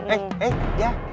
eh eh ya